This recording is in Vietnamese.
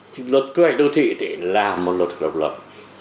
thì luật quy hoạch đô thị thì là một luật độc lập